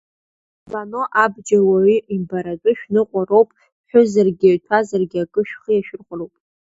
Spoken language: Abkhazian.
Вано, абџьар уаҩы имбаратәы шәныҟәароуп, ԥҳәызаргьы, ҭәазаргьы, акы шәхы иашәырхәароуп.